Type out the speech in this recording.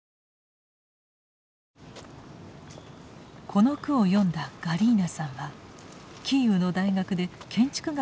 この句を詠んだガリーナさんはキーウの大学で建築学を教えています。